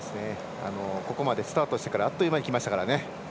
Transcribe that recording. ここまでスタートしてからあっという間にきましたから。